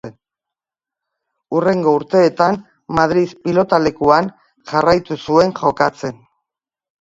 Hurrengo urteetan Madrid pilotalekuan jarraitu zuen jokatzen.